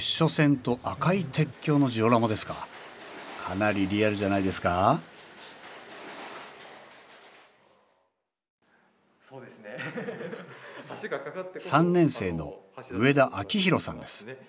かなりリアルじゃないですか３年生の植田晃弘さんです。